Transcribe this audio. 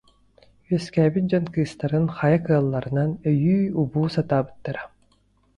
үөскээбит дьон кыыстарын хайа кыалларынан өйүү- убуу сатаабыттара